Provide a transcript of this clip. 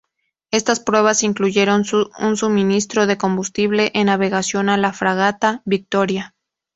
Estas pruebas incluyeron un suministro de combustible en navegación a la fragata "Victoria".